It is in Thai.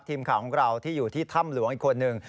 ทีมข่าวของเราที่อยู่ที่ถ้ำหลวงอีกคนนึง